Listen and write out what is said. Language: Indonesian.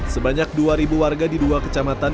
sebanyak dua warga di dua kecamatan